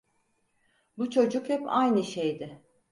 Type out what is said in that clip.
Bu çocuk hep aynı şeydi.